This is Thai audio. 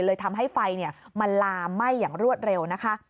เลยทำให้ไฟมันลามไหม้อย่างรวดเร็วนะคะ